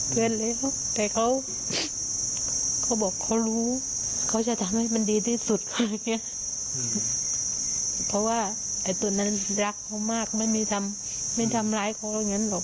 เพราะว่าตัวนั้นรักเขามากไม่จะทำร้ายเขาเหรอ